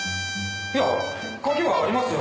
いや鍵はありますよ